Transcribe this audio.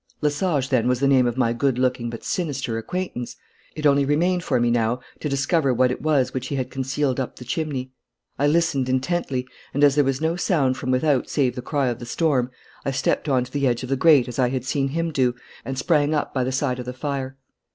Lesage, then, was the name of my good looking but sinister acquaintance. It only remained for me now to discover what it was which he had concealed up the chimney. I listened intently, and as there was no sound from without save the cry of the storm, I stepped on to the edge of the grate as I had seen him do, and sprang up by the side of the fire.